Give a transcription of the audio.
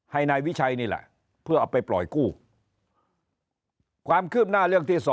ให้นายวิชัยนี่แหละเพื่อเอาไปปล่อยกู้ความคืบหน้าเรื่องที่๒